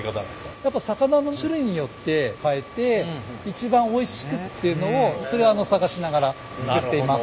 魚の種類によって変えて一番おいしくっていうのを探しながら作っています。